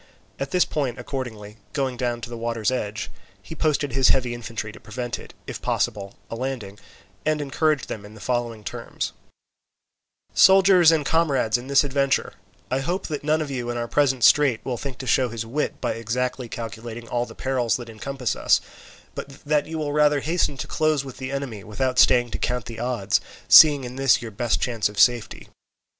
At this point, accordingly, going down to the water's edge, he posted his heavy infantry to prevent, if possible, a landing, and encouraged them in the following terms: "Soldiers and comrades in this adventure, I hope that none of you in our present strait will think to show his wit by exactly calculating all the perils that encompass us, but that you will rather hasten to close with the enemy, without staying to count the odds, seeing in this your best chance of safety.